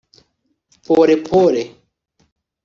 Pole Pole